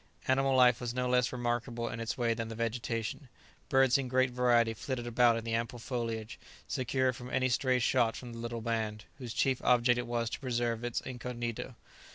Animal life was no less remarkable in its way than the vegetation. Birds in great variety flitted about in the ample foliage, secure from any stray shot from the little band, whose chief object it was to preserve its incognito.